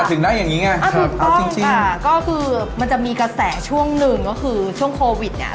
แต่ถึงได้อย่างงี้ไงคือต้องค่ะก็คือมันจะมีกระแสช่วงหนึ่งก็คือช่วงโควิดเนี้ย